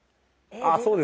あそうです